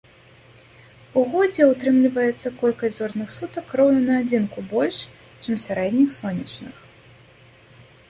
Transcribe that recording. У годзе ўтрымліваецца колькасць зорных сутак роўна на адзінку больш, чым сярэдніх сонечных.